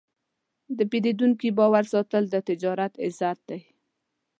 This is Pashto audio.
د پیرودونکي باور ساتل د تجارت عزت دی.